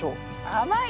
甘い！